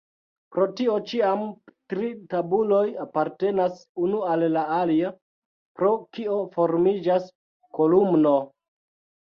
Pro tio ĉiam tri tabuloj apartenas unu al la alia, pro kio formiĝas kolumno.